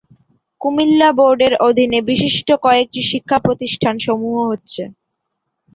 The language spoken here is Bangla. কুমিল্লা বোর্ডের অধীনে বিশিষ্ট কয়েকটি শিক্ষা প্রতিষ্ঠান সমূহ হচ্ছেঃ